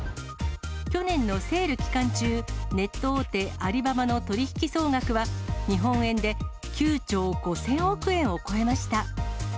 去年のセール期間中、ネット大手、アリババの取り引き総額は、日本円で９兆５０００億円を超えました。